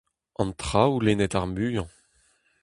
An traoù lennet ar muiañ.